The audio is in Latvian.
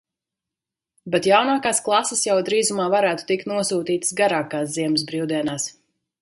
Bet jaunākās klases jau drīzumā varētu tikt nosūtītas garākās ziemas brīvdienās.